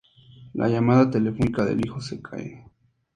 La llamada telefónica del hijo se cae.